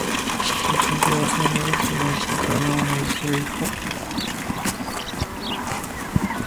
Los antiguos enemigos deben encontrar una manera de sobrevivir juntos.